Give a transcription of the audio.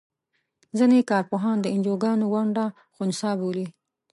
ځینې کار پوهان د انجوګانو ونډه خنثی بولي.